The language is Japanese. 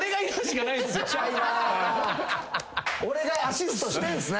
俺がアシストしてんすね？